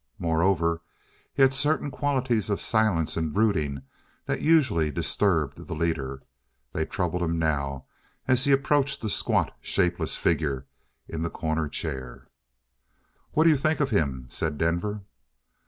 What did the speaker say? Moreover, he had certain qualities of silence and brooding that usually disturbed the leader. They troubled him now as he approached the squat, shapeless figure in the corner chair. "What you think of him?" said Denver.